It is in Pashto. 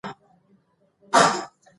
د سالمې کورنۍ راتلونکی ښه دی.